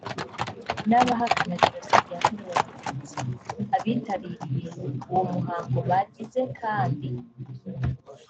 n abahakana jenoside yakorewe abatutsi abitabiriye uwo muhango bagize kandi